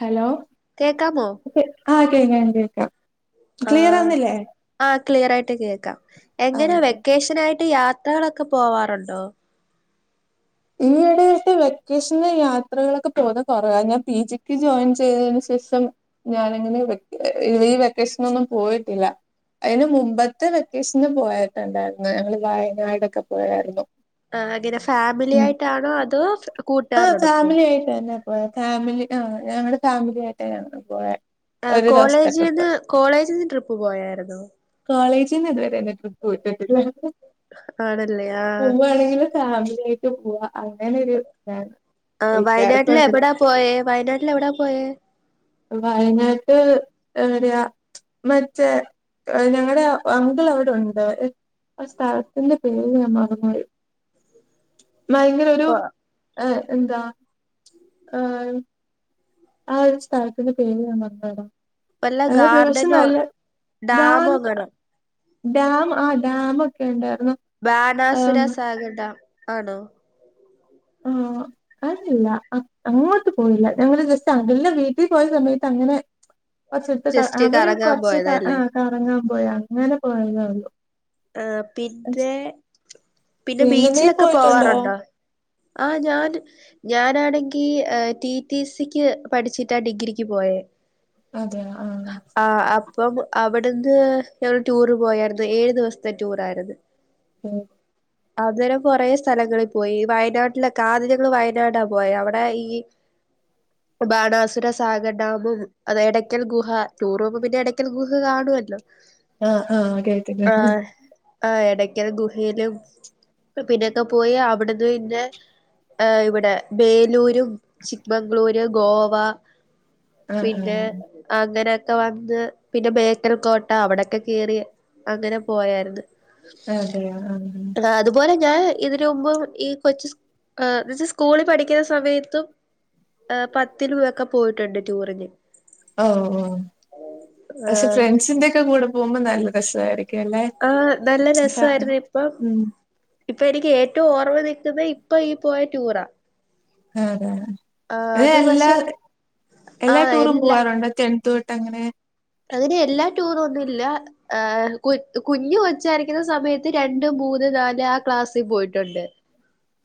Hello കേക്കാമോ ആ കേക്കാം കേക്കാം ക്ലിയർ ആുന്നില്ലേ ക്ലിയർ ആയിട്ട് കേക്കാം എങ്ങനാ വെക്കേഷൻ ആയിട്ട് യാത്രകളൊക്കെ പോവാറുണ്ടോ ഈയിടെ ആയിട്ട് വെക്കേഷന് യാത്രകളൊക്കെ പോകുന്ന കൊറവ ഞാൻ പി ജിക്ക് ജോയിൻ ചെയ്ത ശേഷം ഞാനിങ്ങനെ ഈ വെക്കേഷനൊന്നും പോയിട്ടില്ല. അയിന് മുമ്പത്തെ വെക്കേഷന് പോയട്ടുണ്ടായിരുന്നു ഞങ്ങൾ വയനാടോക്കെ പോയായിരുന്നു. ആഹ് അങ്ങനെ ഫാമിലി ഉം ആയിട്ടാണോ അതോ കൂട്ടുകാരടോപ്പോ ഉം ഫാമിലി ആഹ് ഞങ്ങൾ ഫാമിലി ആയിട്ടാണ് പോയെ ആഹ് ഒരു ദിവസത്തെ ട്രിപ്പ് കോളേജിന്ന് കോളേജിന്ന് ട്രിപ്പ് പോയായിരുന്നോ എന്നെ ഇതുവരെ ട്രിപ്പ് വിട്ടിട്ടില്ല ആണല്ലേ ആഹ് പോവണെങ്കിൽ ഫാമിലിയയി ട്ട് പോവാ. അങ്ങനൊരു ഇതാണ് ആഹ് വീട്ടാർക്ക് വയനാട്ടില് എവിടാ പോയേ വയനാട്ടിൽ എവിടാ പോയേ വയനാട് എവിടെയാ മറ്റേ ഞങ്ങളെ അങ്കിൾ അവിടെ ഉണ്ട്. ആ സ്ഥലത്തിന്റെ പേര് ഞാൻ മറന്ന് പോയി. ഭയങ്കര ഒരു ഓഹ് ഏ എന്താ ഏ ആ ഒരു സ്ഥലത്തിന്റെ പേര് ഞാൻ മറന്ന് പോയടാ വല്ല ഒരു ദിവസം ഗാർഡനോ നല്ല ഗാ ഡാമോ എങ്ങാനോ ഡാം ആഹ് ഡാം ഒക്കെ ഉണ്ട്. ബാണാസുര സാഗർ ഡാം ആണോ? ആ [unintelligible] അങ്ങോട്ട് പോയില്ല ഞങ്ങള് ജസ്റ്റ് അങ്കിളിന്റെ വീട്ടിൽ പോയ സമയത്ത് അങ്ങനെ കൊറച്ചെടുത്ത് ജസ്റ്റ് അവര് കറങ്ങാൻ കൊറച്ച് പോയതല്ലേ ആഹ് കറങ്ങാൻ പോയ അങ്ങനെ പോയതേള്ളു ആ പിന്നെ പിന്നെ നീ ബീച്ചിലൊക്കെ പോയിട്ടുണ്ടോ പോവാറുണ്ടോ? ആഹ് ഞാൻ ഞാനാണെങ്കി ടി ടി സിക്ക് പഠിച്ചിട്ടാ ഡിഗ്രിക്ക് പോയേ അതെയ ആഹ് ആഹ് അപ്പം അവി ടുന്ന് ഞങ്ങൾ ടൂറ് പോയായിരുന്നു ഏഴു ദെവസത്തെ ടൂറായിരുന്നു. ഉം അന്നേരം കൊറെ സ്ഥലങ്ങളി പോയി വയനാട്ടിലൊക്കെ ആദ്യ ഞങ്ങൾ വയനാടാ പോയേ അവടെ ഈ ബാണാസുര സാഗർ ഡാമും അതെ എടയ്ക്കൽ ഗുഹ ടൂറോവുമ്പോ പിന്നെ എടക്കൽ ഗുഹ കാണുവല്ലോ ആഹ് ആഹ് കേട്ട് കേട്ട്ണ്. ആഹ് എടക്കൽ ഗുഹയിലും പിന്നൊക്കെ പോയി അവട്ന്ന് പിന്നെ ഏഹ് ഇവടെ ബേലൂരും ചിക്മംഗ്ളൂരും ഗോവ ആഹ് പിന്നെ അങ്ങനെ ക്കെ വന്ന് പിന്നെ ബേക്കർ കോട്ട അവടെക്കെ കേറി അങ്ങനെ പോയായ്ര്ന്നു. അതെയോ ആഹ് ഞാൻ ഇതിന് മുമ്പും ഈ കൊച്ച് എന്ന ച്ച് സ്കൂളി പഠിക്ക്ന്ന സമയത്തും പത്തിലൊക്കെ പോയിട്ട്ണ്ട് ടൂറിന് ഓഹ് ഓഹ് പക്ഷെ ആഹ് ഫ്രണ്ട്സിന്റെ ക്കെ കൂടെ പോവുമ്പോ നല്ല രസായിരി ആഹ് നല്ല രസവായിരുന്നു ഇപ്പം ഉം ഇപ്പം എനിക്ക് ഏറ്റും ഓർമ്മ നിക്കുന്നത് ഇപ്പൊ ഈ പോയ ടൂറാ ആതെ [unintelligible] ആഹ് അത് എല്ലാ പക്ഷെ എല്ലാ ആഹ് ടൂറും പോവാറുണ്ടോ ടെൻത് തൊ ട്ടങ്ങനെ അങ്ങനെ എല്ലാ ടൂറോന്നുല്ല കു കുഞ്ഞ് കൊച്ചായിരിക്കുന്ന സമയത്ത് രണ്ട്, മൂ മൂന്ന്, നാല് ആ ക്ലാസ്സി പോയിട്ടുണ്ട്.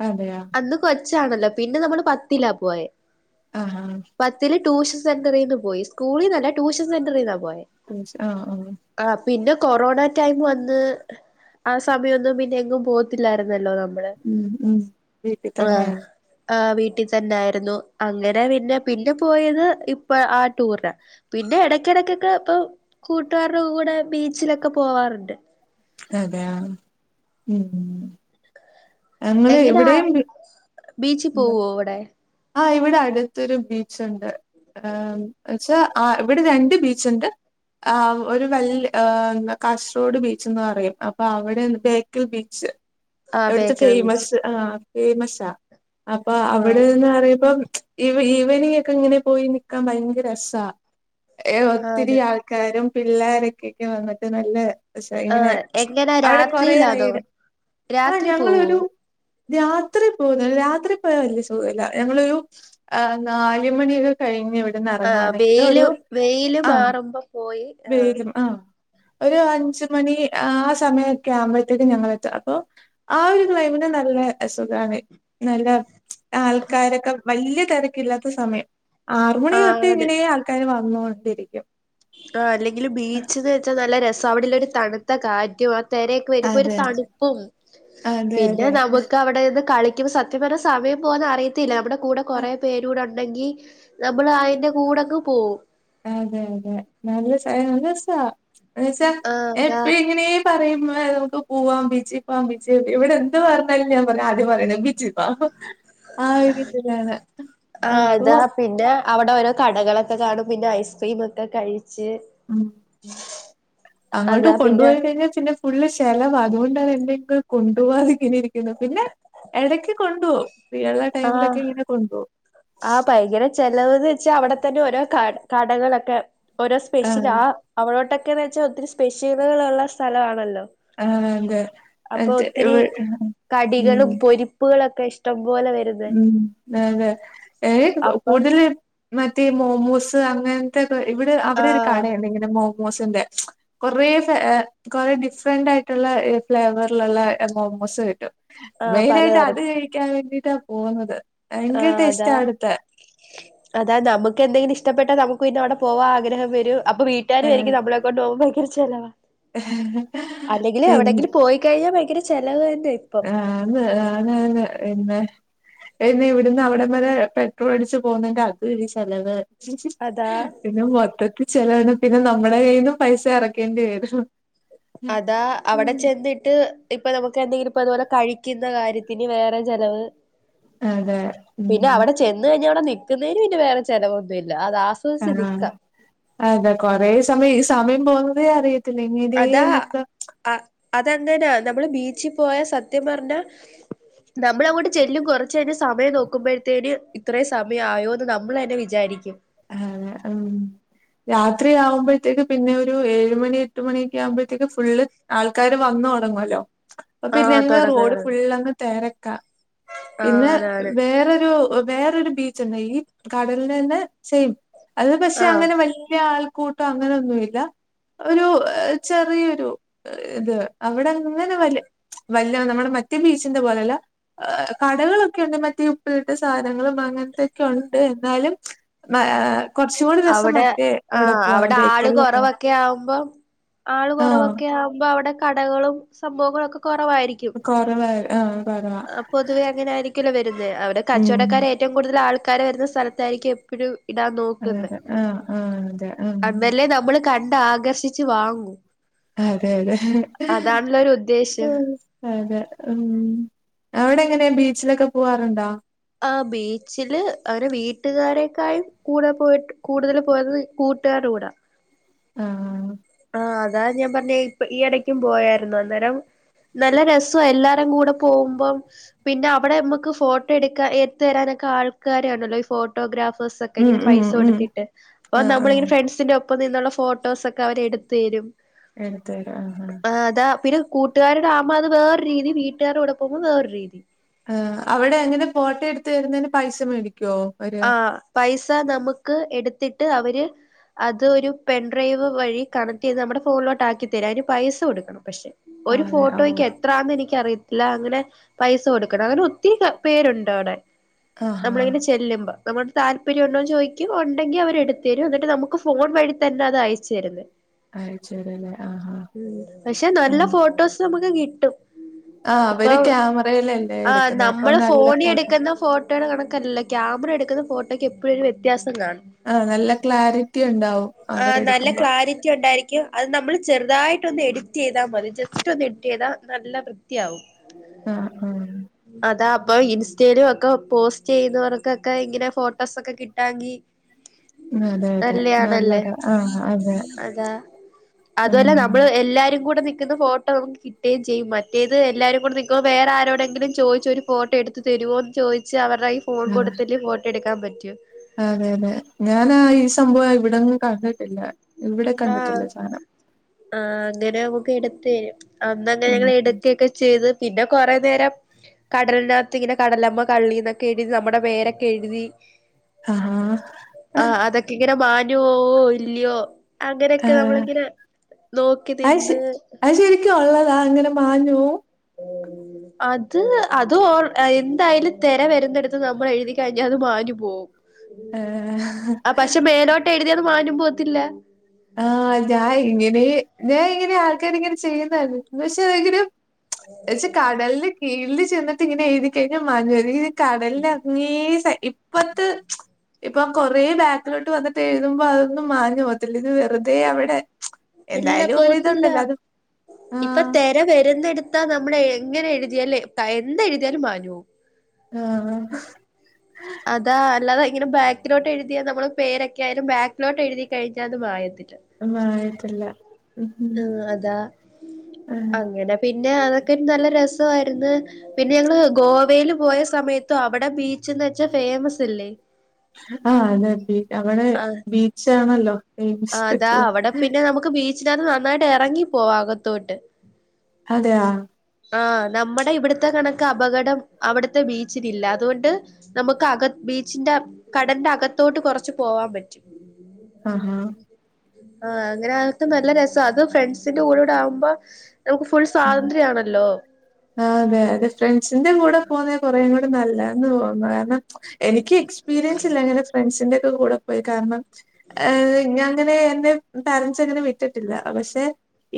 അതെയാ കൊച്ചണല്ലോ പിന്നെ നമ്മള് പത്തിലാ പോയെ ആഹ് ഹാ പത്തില് ട്യൂഷൻ സെൻറ്ററിന്ന് പോയി സ്കൂളിന്നല്ല ട്യൂഷൻ സെൻറ്ററിന്ന ട്യൂഷ് ആഹ് ആഹ് പിന്നെ കൊറോണ ടൈം വന്ന് ആ സമയൊന്നും പിന്നെ എങ്ങും പോകത്തില്ലാര് ഉം ഉം വീട്ടി തന്നെ ആഹ് വീട്ടിൽ തന്നെ ആയിരുന്നു അങ്ങനെ പിന്നെ പിന്നെ പോയത് ഇപ്പ ആ ടൂറിനാ പി പിന്നെ എടക്കെടക്കൊക്കെ ഇപ്പോ കൂട്ടുകാരുടെ കൂടെ ബീച്ചിലൊക്കെ പോവാറുണ്ട് അതെയാ ഉം അങ്ങളെ എങ്ങനാ എവിടേം വി ബീച്ചി പോവോ അവടെ ആഹ് ഇവിടെ അടുത്തൊരു ബീച്ചൊണ്ട് ആമ് എച്ചാ ആ ഇവിടെ രണ്ട് ബീച്ചൊണ്ട് ആഹ് ഒരു വല് ആഹ്‌ കാസറോഡ് ബീച്ച് ന്ന് പറയും അപ്പോ അവടെ ബേക്കൽ ബീച്ച് ആ എവ്ടത്തെ ബേക്കൽ ബീച്ച് ഫേമസ് ആഹ് ഫേമസാ അപ്പാ ആ അവടെനിന്ന് പറയുമ്പം ഈ ഈവനിങ് ഒക്കെ ഇങ്ങനെ പോയി നിക്കാൻ ഭയങ്കര രസാ ഏഹ് ഒത്തിരി ആണ് ആൾക്കാരും പിള്ളോരൊക്കെക്കെ വന്നിട്ട് നല്ല രസാ ആ ഇങ്ങനെ എങ്ങനാ അവിടെ കൊറെ രാത്രിയിലാണോ റൈഡ് ആഹ് രാത്രി പോവോ ഞങ്ങളൊരു രാത്രി [unintelligible] രാത്രി പോയാ വല്യ സുഖവില്ല ഞങ്ങളൊരു നാല് മണിക്കെ കഴിഞ്ഞവി ട്ന്ന് ആഹ് എറങ്ങുവാണെങ്കില് വെയില് ഒരു വെയില് ആഹ് മാറുമ്പോ പോയി വെയിലും ആഹ് ഒരു അഞ്ച് മണി ആ സമയൊക്കെ ആവുമ്പോഴത്തേക്ക് ഞങ്ങളെത്തും അപ്പോ ആ ഒരു ക്ലൈമറ്റ് നല്ലേ സുഖവാണ് നല്ല ആൾക്കാരൊക്കെ വല്യ തെരക്കില്ലാത്ത സമയം ആറുമുണി തൊട്ടേ ആണ് ഇങ്ങനേ ആൾക്കാര് വന്നൊണ്ടിരിക്കും ആഹ് അല്ലെങ്കിലും ബീച്ച്ന്ന് വെച്ചാ നല്ല രസാ അവിടുള്ളൊരു തണുത്ത കാറ്റും ആ രേക്കെ വരുമ്പോ ഒരു അതെ. തണുപ്പും അതെ പിന്നെ അതെ നമുക്ക് അവിടെന്ന് കളി ക്കുമ്പ സത്യം പറഞ്ഞാ സമയം പോവുന്ന അറിയത്തില്ല നമ്മടെ കൂടെ അ- കുറെ പേരൂടെണ്ട് ണ്ടെങ്കി നമ്മള് അതിന്റെ കൂടങ്ങ് പോവും അതെ അതെ നല്ലസ നല്ലരസാ എന്ന് വെച്ചാ ആഹ് അതാ എപ്പഴ്ങ്ങനേ പറയ്മ്പം നമുക്ക് പൂവാം ബീച്ചിൽ പോവാം ബീച്ചിൽ പോ ഇവിടെ എന്ത് പർഞ്ഞാലും ഞാൻ പറയും ആദ്യം പറയ്ണ് ബീച്ചിൽ പോവാ ആഹ് അപ്പൊ അതാ പിന്നെ അവിടെ ഓരോ കടകളൊക്കെ കാണും പിന്നെ ഐസ്ക്രീം ഒക്കെ കഴി ഉം ഉം അങ്ങോട്ട് അതാ പിന്നെ കൊണ്ടുപോയി കഴിഞ്ഞാൽ പിന്നെ ഫുള്ള് ചെലവാ അതുകൊണ്ടാണ് [unintelligible] കൊണ്ടു പോവാതെങ്ങനെ ഇരിക്ക്ണ് പിന്നെ എടക്ക് കൊണ്ടുപോവും ഫ്രീയുള്ള ടൈമിലൊക്കെ ഇങ്ങനെ കൊണ്ടോവും ആഹ് ഭയങ്കര ചെലവ്ന്ന് വെച്ചാ അവിടെത്തന്നെ ഓരോ കാ കടകളൊക്കെ ഓരോ സ്പെഷ്യല് ആ അവിടോട്ടൊക്കെന്ന് വെച്ചാ ഒത്തിരി സ്പെഷ്യലുകളുള്ള സ്ഥലമാണല്ലോ ആ അതെ അപ്പൊ അതെ ഒത്തിരി ഇവ് ഉം കടികളും പൊരിപ്പുകളൊ ഉം അതെ ഏ അപ്പൊ കൂടുതല് മറ്റേ മോമോസ് അങ്ങൻത്തെക്കെ ഇവിടെ അവിടൊരു ആഹ് കടയുണ്ട് ഇങ്ങനെ മോമോസിന്റെ കൊറേ ഫേ ഏ കൊറേ ഡിഫറന്റ് ആയിട്ടുള്ള ഫ്ലേവറിലുള്ള മോമോസ് കിട്ടും ആഹ് മെയിനായിട്ട് അത് പലതരത്തി കഴിക്കാൻ വേണ്ടിട്ടാ പോകുന്നത് ഭയങ്കര ആഹ് അതാ ടേസ്റ്റാ അവിടുത്തെ അതാ നമുക്ക് എന്തെങ്കിലും ഇഷ് ഇഷ്ടപ്പെട്ട നമുക്ക് പിന്നെ അവിടെ പോവാ ആഗ്രഹം വരും അപ്പ ഏ, വീട്ടുകാര്വിചാരിക്കും നമ്മളെ കൊണ്ട് പോകുമ്പക്കിന് ചെലവാ അല്ലെങ്കിലെ പിന്നെ എവിടെങ്കിലും പോയി കഴിഞ്ഞാ ഭയങ്കര ചെലവ്ന്നെ ആന്ന് ആണ് ആണ് പിന്നെ പിന്നെ ഇവിടുന്ന് അവിടംവരേ പെട്രോൾ അടിച്ച് പോകുന്നേന്റെ അത് ഒരു ചെലവ് അതാ പിന്നെ മൊത്തത്തിൽ ചെലവാണ് പിന്നെ നമ്മുടെ കയ്യിന്ന് പൈസ എറക്കേണ്ടി വരും അതാ അവടെ ചെന്നിട്ട് ഇപ്പ നമുക്ക് എന്തെങ്കിലും ഇപ്പ അതുപോലെ കഴിക്കുന്ന കാര്യത്തിന് വേറെ ചെലവ് അതെ ഉം പിന്നെ അവടെ ചെന്ന് കഴിഞ്ഞാ അവടെ നി നിക്കുന്നയ്ന് പിന്നെ വേറെ ചെലവൊന്നു ഇല്ല അത് ആസ്വദിച്ച് ആഹ് നിക്കാ. അതെ കൊറെ സമയം ഈ സമയം പോകുന്നതേ അറിയ അതാ അ അതെങ്ങനാ നമ്മള് ബീ ച്ച് പോയാ സത്യം പറഞ്ഞാ നമ്മൾ അങ്ങോട്ട് ചെല്ലും കുറച്ചു കഴിഞ് സമയം നോക്കുമ്പഴത്തേന് ഇത്രയും സമയം ആയോന്ന് നമ്മളന്നെ വിചാരിക്കും. ആഹ് ഉം രാത്രി ആവുമ്പഴ്ത്തേക്ക് പിന്നെ ഒരു ഏഴുമണി എട്ട് മണിയൊക്കെ ആകുമ്പഴ്ത്തേക്ക് ഫുള്ള് ആൾക്കാര് വന്ന് തൊടങ്ങൊല്ലോ ആഹ് അപ്പപിന്നങ്ങ് റോഡ് തൊടങ്ങാറായി ഫുള്ളങ്ങ് തെര അ ആഹ് പിന്നെ അതാണ് വേറൊരു വേറൊരു ബീച്ച്ണ്ട് ഈ കടൽനെനെ സെയിം അത് പക്ഷെ ആഹ് അങ്ങനെ വല്ല്യ ആൾക്കൂട്ടം അങ്ങനൊന്നുമില്ല ഒരു ചെറിയൊരു ഇത് അവിടെ അങ്ങനെ വല വല്ല നമ്മളെ മറ്റേ ബീച്ചിന്റെ പോലെല്ല കടകളൊക്കെയുണ്ട് മറ്റേ ഉപ്പിലിട്ട സാധനങ്ങളും അങ്ങനത്തൊക്കെ ഉണ്ട് എന്നാലും മഏ അവടെ ആ അവടെ ആള് ബേക്കലിൽ പോവാൻ കൊറവൊക്കെ ആവുമ്പം ആള് ആ കുറവൊക്കെ ആബെ അവടെ കടകളും സംഭവങ്ങളൊക്കെ കൊറവായിരിക്കും കുറവാ ആ കുറവാ ആ പൊതുവെ അങ്ങനെ ആയിരി ക്കല്ലോ വരുന്നെ അവ്ടെ ഉം കച്ചോടക്കാര ഏറ്റവും കൂടുതലാൾ കരവരുന്ന സ്ഥലത്തായിരിക്കും എപ്പഴും ഇടാൻ നോക്കുന്നെ അതെ ആ ആ അതെ ഉം അന്നല്ലേ ന്നമ്മ്ള് കണ്ടാഗർഷിച്ച് വാങ്ങു അതെ അതെ ഒരു ഉ ഉദ്ദേശം അതെ ഉമ് അവടെ എങ്ങനെ ബീച്ചിലൊക്കെ പോവാറുണ്ടോ ആ ബീച്ചില് അവര് വീട്ടുകാരേക്കായും കൂടെ പോയിട്ട് കൂടുതല് പോയത് കൂ കൂട്ടാരൂടെ ആഹ ആ അതാ ഞാൻ പറഞ്ഞെ ഇപ്പ ഈ ഇടയ്ക്കും പോയാര്ന്നു അന്നേരം നല്ല രസം എല്ലാരും കൂടെ പോവുമ്പം പിന്നെ അവടെ നമ്മക്ക് ഫോട്ടോ എടുക്കാ എടുത്തരാനൊ ക്ക ആൾക്കാരാണല്ലോ ഈ ഫോട്ടോഗ്രാഫ ബസ്സൊക്കെ ഉം ഇങ്ങനെ ഉം പൈസ ഉം കൊട്ത്തിട്ട് അപ്പൊ ആഹ് ന്നമ്മളിങ്ങനെ ആഹ് ഫ്രണ്ട്സിന്റെഒപ്പം നിന്നുള്ള ഫോട്ടോസൊക്ക അവരെടു തേരും എടുത്തരാ ആഹ ആഹ കൂട്ടുകാര്ടെ ആമ്പേ അത് വേറൊരു രീതി വീട്ട്കാര്ടെ കൂടെ പോവുമ്പോ വേറൊരു രീതി ആ അവടെ അങ്ങനെ ഫോട്ടോ എടുത്ത് തരുന്നയ്ന് പൈസ മേടിക്ക ആ പൈസ ന്നമ്ക്ക് എടുത്തിട്ട് ട്ട് അവ്ര് അത് ഒരു പെൻ ഡ്രൈവ് വഴി കണക്റ്റെയ്ത് നമ്മുടെ ഫോണിലോട്ട് ആക്കി തരും അയ്ന് പൈസ കൊട് പക്ഷെ ഒരു ആഹ് അതെ ഓഹ് ഫോട്ടോയ്ക്ക് എത്രാ എനിക്കറിയ അല്ല അങ്ങനെ പൈസ കൊടുക്കണം അങ്ങനെ ഒത്തിരി കപ്പേരുണ്ട് അവടെ ആഹാ നമ്മളിങ്ങനെ ചെല്ല് നമ്മൾക് താല്പര്യംണ്ടോ ചോയ്ക്കും ഉണ്ടെങ്കി അവര് എടുത്തരും എന്നിട്ട് നമുക്ക് ഫോൺ വഴി തന്നെ അത് അയച്ചരുന്നെ അയച്ചേരല്ലേ ആഹാ ഉ പക്ഷെ നല്ല ഉം ഫോട്ടോസ് ന്നമുക്ക് കിട്ടും [inaudible] ഇപ്പ ക്യാമറയിലല്ലേ ആ എടുക്കുന്നെ അപ്പൊ നമ്മള് നല്ല ഫോണിൽ ഫോട്ടോ എടുക്കുന്ന ഫോട്ടോയുടെ കണക്കല്ലല്ലോ ക്യാമറ എടുക്ക ക്ക്‌ള് ഫോട്ടോക് എപ്പഴും ഒരു വെത്യാസം ആഹ ന്നല്ല ക്ലാരിറ്റി ഉ ആ നല്ല ക്ലാരിറ്റി ഉണ്ടായിരിക്കും അത് നമ്മള് ചെറുതായിട്ടൊന്ന് എഡിറ്റ്‌ ചെയ്താ മതി ജസ്റ്റ് ഒന്ന് ഇട്ട് ചെയ്താ നല്ല വൃത്തിയാവും ആഹ ആഹ താ അപ്പൊ ഇൻസ്റ്റയിലും ഒക്കെ പോസ്റ്റെയ്യുന്നവർകൊക്കെ ഇങ്ങനെ ഫോട്ടോസൊക്കെ കിട്ടാകി അതെ അതെ നല്ലയാണല്ലേ നല്ലതാ ആഹ് അതെ അതാ അതുംഅല്ല ഉം ന്നമ്മ്ള് എല്ലാരും കൂടെ ന്നി ക്ക്ത് ഫോട്ടോ കിട്ടേമ്ചെയ്യും മറ്റേത് എല്ലാരുംകൂടി നിൽക്കുമ്പോ വേറെ ആരോടെങ്കിലും ചോയ്‌ച്ചോരു ഫോട്ടോ എടുത്ത് തരോ വരുവോന്ന് ചോയ്ച്ച് അവര്ടൈ ഫോൺ ആഹ് കൊടുത്തിട്ട് ഫോട്ടോടുക്കാൻ പറ്റോ അതെ അതെ ഞാൻ ആ ഈ സംഭവം ഇവിടൊന്നും കണ്ടിട്ടില്ല ഇവിടെ ആ കണ്ടിട്ടില്ല സാനം ആ അങ്ങനാവും എടുത്തേ അന്നങ്ങനെ ഉം ഞങ്ങള് എടുക്കയൊക്കെ ചെയ്ത് പിന്നെ കൊറെനേരം കടലിനകത്ത് ഇങ്ങനെ കടലമ്മ കള്ളീന്നൊക്കെ എഴുതി നമ്മടെ പേരൊക്കെ എഴുതി ആഹാ ആഹ അതൊക്കെ ഇങ്ങനെ മാഞ്ഞു പോവോ ഇല്ലയോ അങ്ങനെയൊക്കെ ആഹ നമ്മളിങ്ങനെ നോക്കി അയ്ഷ് നിന്ന് അയ്ശരിക്കുള്ളതാ അങ്ങനെ മാഞ്ഞുപോവും അത് അത് ഓർ എന്തായാലും തെര വരുന്നടുത്ത് നമ്മള് എഴുതി കഴിഞ്ഞാ അത് മാഞ്ഞു പോവും. ഏഹ് ആ പക്ഷെ മേലോട്ട് എഴുതിയാ അത് മാഞ്ഞും പോവത്തില്ല. ആഹ് ഞാൻ ഇങ്ങനെ ഞാൻ ഇങ്ങനെ ആൾക്കാര് ഇങ്ങനെ ചെയ്യുന്ന കണ്ടി [inaudible] പക്ഷെ [unintelligible] പക്ഷേ കടലില് കീഴില് ചെന്നിട്ട് ഇങ്ങനെ എഴ്തിക്കഴിഞ്ഞാ മാഞ്ഞോ [unintelligible] കടലിൻ്റെ അങ്ങേ സൈ ഇപ്പത്തെ ഇപ്പൊ കൊറേ ബാക്കിലോട്ട് വന്നിട്ട് എഴുതുമ്പൊ അതൊന്നും മാഞ്ഞു പോവത്തില്ല ഇത് വെ റുതേ അവിടെ എന്തായാലും ഒരിതുണ്ടല്ലോ അത് ഇപ്പ ആഹ് തെര വരുന്നെടുത്താ നമ്മള് എങ്ങനെ എഴ് തിയാല് ത എന്തെഴുതിയാലും മാഞ്ഞു പോവും. ആഹ് അതാ അല്ലാതെ ഇങ്ങനെ ബാക്കിലോട്ട് എഴ്തിയാ നമ്മള് പേരൊക്കെ ആയാലും ബാക്കിലോട്ട് എഴ്തിക്കഴിഞ്ഞാ അത് മായത്തി മായിട്ടില്ല. ഉം ഇഹ് അതാ ഉം അങ്ങന പി ന്നെ അതൊക്കെ ഒരു നല്ല രസ്വായിര്ന്ന് പിന്നെ ഞങ്ങള് ഗോ വേല് പോയ സമയത്തും അവടെ ബീച്ച്ന്ന് വെച്ചാ ഫേമസ് അല്ലേ ആഹ് അതെ ബീ അവടെ ആഹ് ബീച്ചാണല്ലോ ഫേയ്മ്സായിട്ട്ള്ളത്. ച്ചിലത് നന്നായിട്ട് എറങ്ങിപ്പോവാ അകത്തോട്ട്. അതെയോ ആ നമ്മടെ ഇവിട്ത്തെ കണക്ക് അപകടം അവ്ട്ത്തെ ബീച്ച്നില്ല അതോണ്ട് നമുക്ക് അക ബീച്ചിന്റെ കടന്റെ അകത്തോട്ട് കൊ കൊറച്ച് പോവാൻ പറ്റും അ ഹ ആ അങ്ങനെ അകത്തും നല്ല രസ അത് ഫ്രണ്ട്സിന്റെ കൂടെടെ ആവുമ്പോ നമുക്ക് ഫുൾ സ്വാതന്ത്ര്യാണല്ലോ ആ അതെ അതെ ഫ്രണ്ട്സിന്റെ കൂടെ പോന്ന കൊറേയും കൂടെ നല്ല കാരണം എനിക്ക് എക്സ്പീരിയൻസ് ഇല്ലങ്ങനെ ഫ്രണ്ട്സിന്റെ - കൂടെ പോയി കാരണം അങ്ങനെ എന്റെ പാരൻറ്സ് അങ്ങനെ വിട്ടിട്ടില്ല പക്ഷെ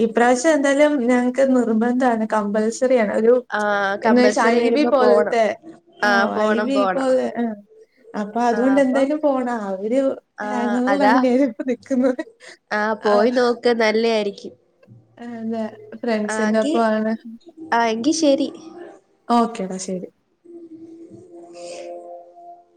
ഈപ്രാവശ്യം എന്തായാലും ഞങ്ങക്ക് നിർബന്ധമാണ് കമ്പേൽസറി - ആണ് ഒരു ആഹ് എ വെച്ചാ കമ്പൽസറി ഐ വി വരുമ്പോ പോണം പോലത്തെ- ആഹ ആഹ് പോണം അഐവി ഇ പോണം പോെ അപ്പൊ ആഹ് അതുകൊണ്ട് അപ്പം എന്തായാലും പോണം അവര് ആഹ് ഹാങ്ങറിലാണ് ഞാന ഇപ്പോ നിൽക്കുന്നത്- ആഹ പോയി നോക്ക് നല്ല ആയിരിക്കും അല്ലെ ഫ്രണ്ട്സിന്റെപ്പ ആണ് എങ്കിൽ ശരി ഓക്കേടാ ശരി ഉ